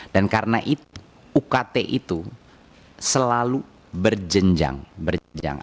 dan karena itu ukt itu selalu berjenjang